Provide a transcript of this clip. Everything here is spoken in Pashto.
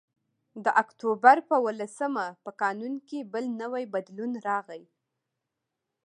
د اکتوبر په اوولسمه په قانون کې بل نوی بدلون راغی